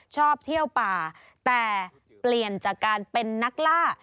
ชอบเที่ยวป่าแต่เปลี่ยนจากการเป็นนักล่า